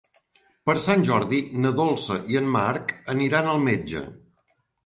Per Sant Jordi na Dolça i en Marc aniran al metge.